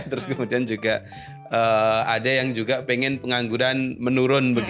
terus kemudian juga ada yang juga pengen pengangguran menurun